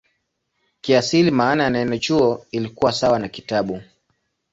Kiasili maana ya neno "chuo" ilikuwa sawa na "kitabu".